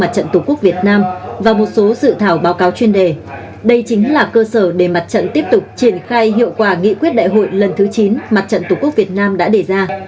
trận tổ quốc việt nam và một số dự thảo báo cáo chuyên đề đây chính là cơ sở để mặt trận tiếp tục triển khai hiệu quả nghị quyết đại hội lần thứ chín mặt trận tổ quốc việt nam đã đề ra